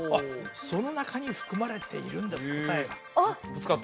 その中に含まれているんです答えがあっ！